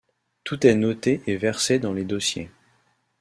Tout est noté et versé dans les dossiers.